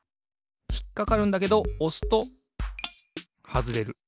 ひっかかるんだけどおすとはずれる。